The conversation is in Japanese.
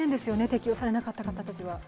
適用されなかった方たちは。